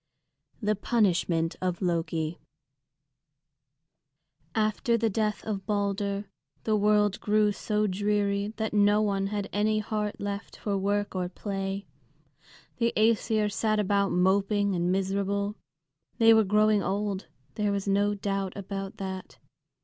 THE PUNISHMENT OF LOKI After the death of Balder the world grew so dreary that no one had any heart left for work or play. The Æsir sat about moping and miserable. They were growing old, there was no doubt about that.